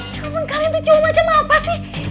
cuma kalian tuh cuma macam apa sih